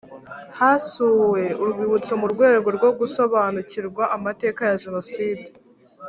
Hasuwe urwibutso mu rwego rwo gusobanukirwa amateka ya Jenoside